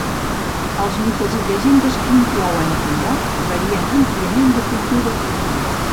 Els mites i llegendes que inclouen a Coiot varien àmpliament de cultura a cultura.